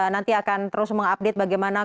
nanti akan terus mengupdate bagaimana